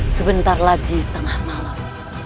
sebentar lagi tamah malam